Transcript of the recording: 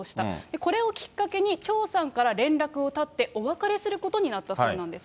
これをきっかけに、張さんから連絡を絶って、お別れすることになったそうなんです。